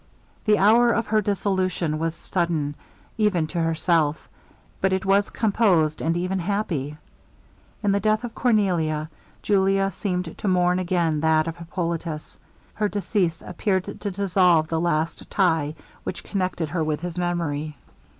The hour of her dissolution was sudden, even to herself; but it was composed, and even happy. In the death of Cornelia, Julia seemed to mourn again that of Hippolitus. Her decease appeared to dissolve the last tie which connected her with his memory.